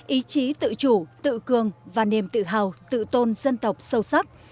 ý chí tự chủ tự cường và niềm tự hào tự tôn dân tộc sâu sắc